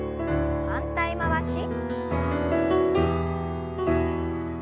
反対回し。